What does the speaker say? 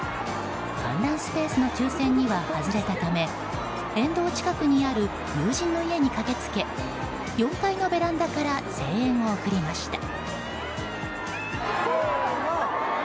観覧スペースの抽選には外れたため沿道近くにある友人の家に駆けつけ４階のベランダから声援を送りました。